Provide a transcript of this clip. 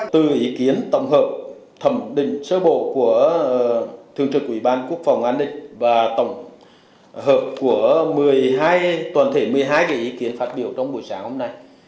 từ ý kiến tổng hợp thẩm định sơ bộ của thượng trưởng quỹ ban quốc phòng an định và tổng hợp của toàn thể một mươi hai cái ý kiến phát biểu trong buổi sáng hôm nay